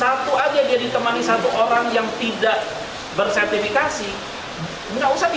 satu aja dia ditemani satu orang yang tidak bersertifikasi